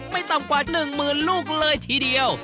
ไม่ต่ำกว่า๑หมื่นลูกเลยทีเดียว